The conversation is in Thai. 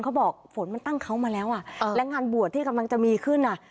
เขาบอกฝนมันตั้งเขามาแล้วอ่ะและงานบวชที่กำลังจะมีขึ้นอ่ะ